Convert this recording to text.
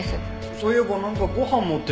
そういえばなんかご飯持ってる。